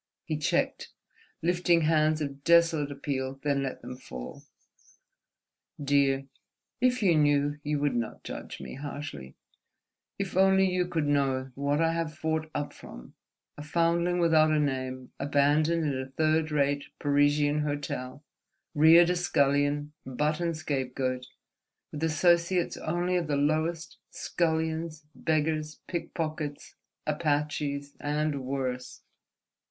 He checked, lifting hands of desolate appeal, then let them fall. "Dear, if you knew you would not judge me harshly. If only you could know what I have fought up from, a foundling without a name abandoned in a third rate Parisian hotel, reared a scullion, butt and scapegoat, with associates only of the lowest, scullions, beggars, pickpockets, Apaches, and worse—!"